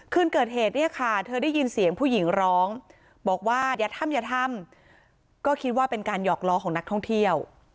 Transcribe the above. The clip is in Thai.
คืนเกิดเหตุเนี่ยค่ะเธอได้ยินเสียงผู้หญิงร้องบอกว่าอย่าทำอย่าทำก็คิดว่าเป็นการหอกล้อของนักท่องเที่ยว